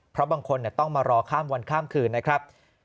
เพราะบางคนต้องมารอข้ามวันข้ามคืนนะครับ